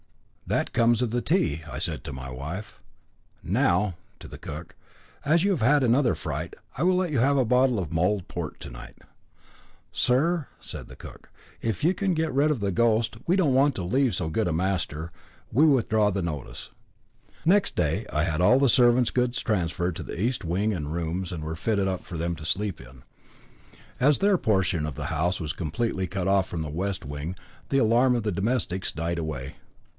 "That comes of the tea," said I to my wife. "Now," to the cook, "as you have had another fright, I will let you have a bottle of mulled port to night." "Sir," said the cook, "if you can get rid of the ghost, we don't want to leave so good a master. We withdraw the notice." Next day I had all the servants' goods transferred to the east wing, and rooms were fitted up for them to sleep in. As their portion of the house was completely cut off from the west wing, the alarm of the domestics died away.